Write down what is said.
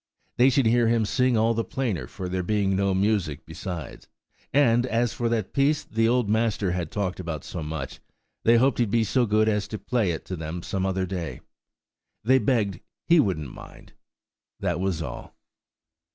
They should hear him sing all the plainer for there being no music besides; and, as for that piece the old Master had talked about so much, they hoped he'd be so good as to play it to them some other day.–They begged he wouldn't mind–that was all!